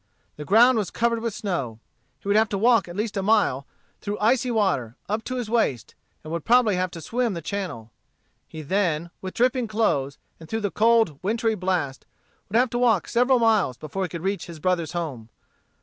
The ground was covered with snow. He would have to walk at least a mile through icy water, up to his waist, and would probably have to swim the channel. He then, with dripping clothes, and through the cold wintry blast, would have to walk several miles before he could reach his brother's home.